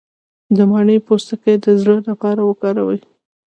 د مڼې پوستکی د زړه لپاره وکاروئ